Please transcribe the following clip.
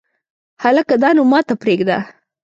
هلکه دا نو ماته پرېږده !